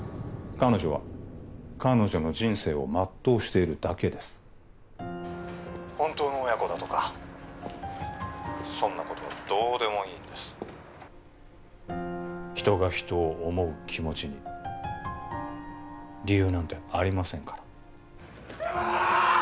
彼女は彼女の人生を全うしているだけです本当の親子だとかそんなことはどうでもいいんです人が人を思う気持ちに理由なんてありませんから恵茉！